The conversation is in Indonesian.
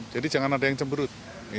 jadi jangan ada yang cemberut